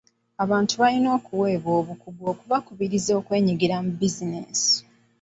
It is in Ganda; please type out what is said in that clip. Abantu balina okuweebwa obukugu okubakubiriza okwenyigira mu bizinensi.